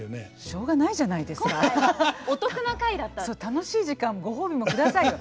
楽しい時間ご褒美も下さいよ。